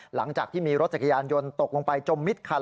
หลังจากที่มีรถจักรยานยนต์ตกลงไปจมมิดคัน